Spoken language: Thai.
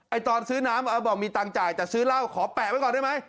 ตอนซื้อน้ำบอกมีตังค์จ่ายแต่ซื้อเหล้าขอแปะไว้ก่อนได้ไหม